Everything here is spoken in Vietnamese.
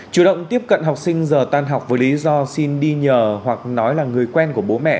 chủ động tiếp cận học sinh giờ tan học với lý do xin đi nhờ hoặc nói là người quen của bố mẹ